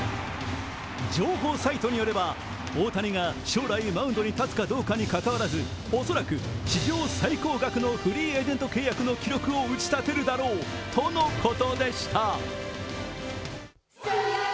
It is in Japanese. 情報サイトによれば、大谷が将来マウンドに立つかどうかにかかわらず、恐らく史上最高額のフリーエージェント契約の記録を打ち立てるだろうとのことでした。